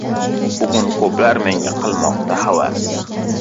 Bugun ko‘plar menga qilmoqda havas